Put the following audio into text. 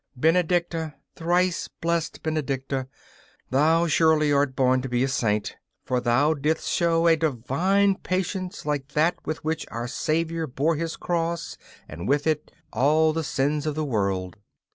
Benedicta, thrice blessed Benedicta, thou surely art born to be a saint, for thou didst show a divine patience like that with which our Saviour bore His cross and with it all the sins of the world!